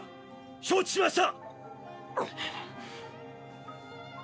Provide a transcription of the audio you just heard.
承知しました！